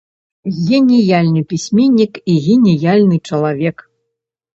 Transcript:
Геніяльны пісьменнік і геніяльны чалавек.